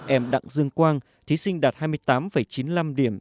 em đặng dương quang thí sinh đạt hai mươi tám chín mươi năm điểm